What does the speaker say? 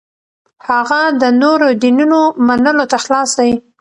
هغه د نورو دینونو منلو ته خلاص دی.